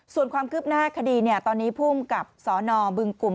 ส่วนความคืบหน้าคดีตอนนี้ภูมิกับสนบึงกลุ่ม